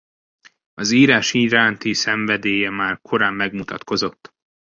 Az írás iránti szenvedélye már korán megmutatkozott.